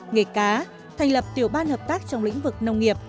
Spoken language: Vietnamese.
nghề cá thành lập tiểu ban hợp tác trong lĩnh vực nông nghiệp